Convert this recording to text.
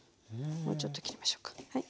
もうちょっと切りましょうかはい。